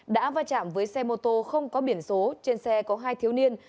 đã va chạm với xe mô tô không có biển số trên xe có hai thiếu niên